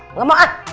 enggak mau ah